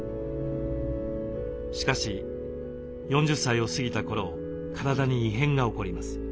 しかし４０歳を過ぎた頃体に異変が起こります。